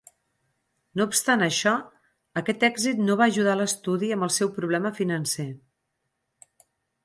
No obstant això, aquest èxit no va ajudar l'estudi amb el seu problema financer.